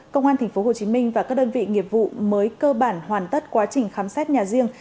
công an tp hcm và các đơn vị nghiệp vụ mới cơ bản hoàn tất quá trình khám xét nhà riêng